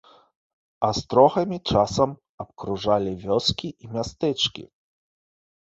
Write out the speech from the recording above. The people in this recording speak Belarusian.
Астрогамі часам абкружалі вёскі і мястэчкі.